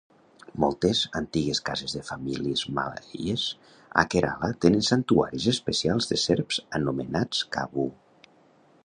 Moltes antigues cases de famílies malaies a Kerala tenen santuaris especials de serps anomenats "Kavu".